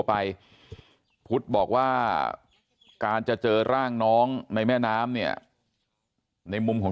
ไปพุทธบอกว่าการจะเจอร่างน้องในแม่น้ำเนี่ยในมุมของ